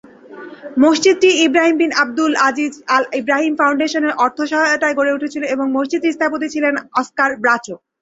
মসজিদটি Ibrahim bin Abdul Aziz Al Ibrahim ফাউন্ডেশনের অর্থ সহায়তায় গড়ে উঠেছিল এবং মসজিদটির স্থপতি ছিলেন অস্কার ব্রাচো।